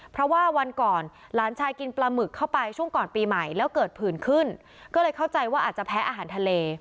เพราะว่าวันก่อนหลานชายกินปลาหมึกเข้าไปช่วงก่อนปีใหม่แล้วเกิดผื่นขึ้นก็เลยเข้าใจว่าอาจจะแพ้อาหารทะเล